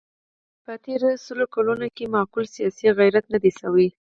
په تېرو سلو کلونو کې معقول سیاسي غیرت نه دی شوی.